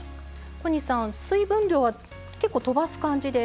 小西さん水分量は結構とばす感じで？